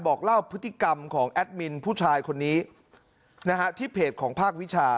บอกเล่าพฤติกรรมของแอดมินผู้ชายคนนี้นะฮะที่เพจของภาควิชา